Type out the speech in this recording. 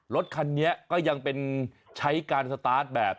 รถคันนี้ก็ยังเป็นใช้การสตาร์ทแบบ